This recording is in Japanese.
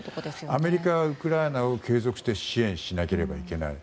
アメリカはウクライナを継続して支援しなければいけない。